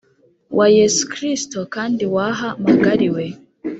wa Yesu Kristo kandi waha magariwe